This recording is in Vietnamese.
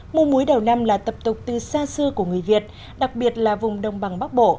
mùa muối đầu năm là tập tục từ xa xưa của người việt đặc biệt là vùng đông bằng bắc bộ